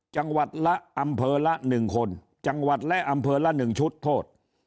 จังหวัดละอำเภอละ๑คนจังหวัดและอำเภอละ๑ชุดโทษ